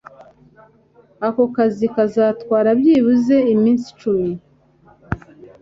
Ako kazi kazatwara byibuze iminsi icumi